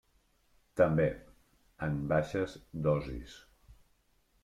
També, en baixes dosis.